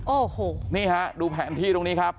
โอ้โหนี่ฮะดูแผนที่ตรงนี้ครับ